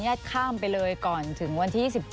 ข้ามไปเลยก่อนถึงวันที่๒๗